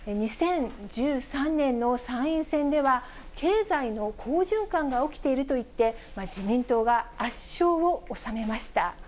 ２０１３年の参院選では、経済の好循環が起きているといって、自民党が圧勝を収めました。